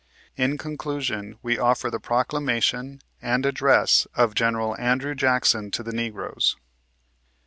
In conclusion we offer the proclamation and address of General Andrew Jackson to the Negroes.